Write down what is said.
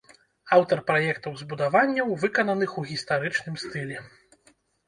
Аўтар праектаў збудаванняў, выкананых у гістарычным стылі.